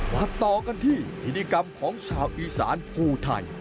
มาต่อกันที่พิธีกรรมของชาวอีสานภูไทย